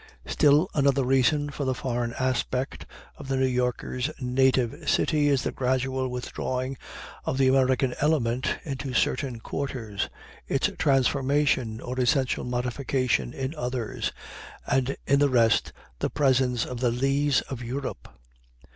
Still another reason for the foreign aspect of the New Yorker's native city is the gradual withdrawing of the American element into certain quarters, its transformation or essential modification in others, and in the rest the presence of the lees of Europe.